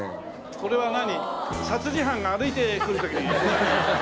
これは何？